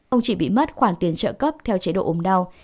ông chỉ bị mất khoản tiền trợ cấp theo chế độ ốm đau